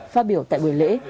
phát biểu tại buổi lễ